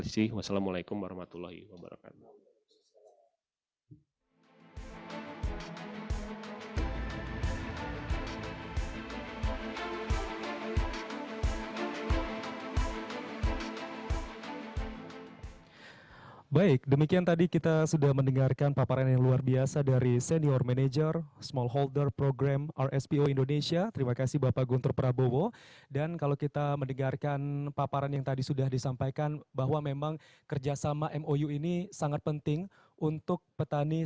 sekian dan terima kasih wassalamu'alaikum warahmatullahi wabarakatuh